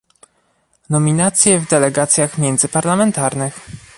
Nominacje w delegacjach międzyparlamentarnych